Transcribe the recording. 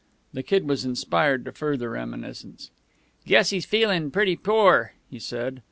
The Kid was inspired to further reminiscence. "Guess he's feeling pretty poor," he said.